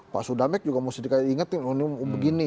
pak sudamek juga mesti diingetin